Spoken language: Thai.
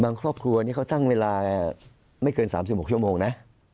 ครอบครัวนี้เขาตั้งเวลาไม่เกิน๓๖ชั่วโมงนะ